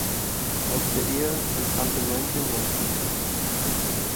Aus der Ehe entstammten neun Kinder.